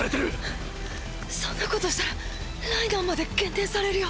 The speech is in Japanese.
そんなことしたらライナーまで減点されるよ。